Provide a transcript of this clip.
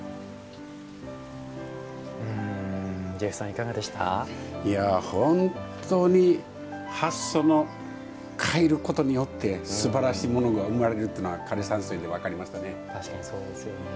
いや本当に発想の変えることによってすばらしいものが生まれるってのが枯山水で分かりましたね。